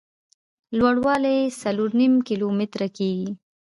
لوړ والی یې څلور نیم کیلومتره کېږي.